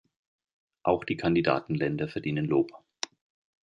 Auch die Kandidatenländer verdienen Lob.